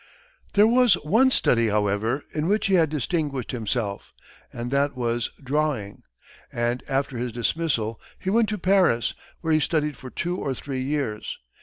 There was one study, however, in which he had distinguished himself, and that was drawing; and after his dismissal he went to Paris, where he studied for two or three years.